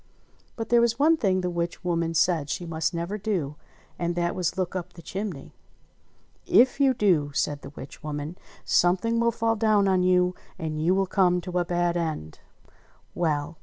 But there was one thing the witch woman said she must never do ; and that was look up the chimney ! "If you do," said the witch woman, "something will fall down on you, and you will come to a bad end." Well